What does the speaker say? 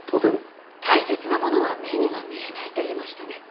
「大切なものは目には見えない」と言いましたね。